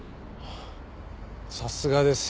さすがです。